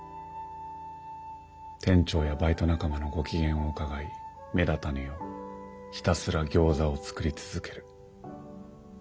店長やバイト仲間のご機嫌をうかがい目立たぬようひたすらギョーザを作り続ける。